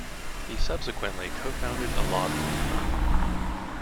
He subsequently co-founded a lobbying firm.